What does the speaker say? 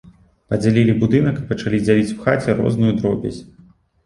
Падзялілі будынак і пачалі дзяліць у хаце розную дробязь.